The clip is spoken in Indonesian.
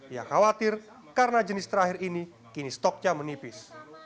ia khawatir karena jenis terakhir ini kini stoknya menipis